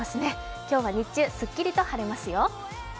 今日は日中、すっきりと晴れますよ